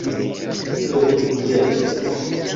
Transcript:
Do jes...